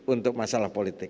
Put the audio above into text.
untuk masalah politik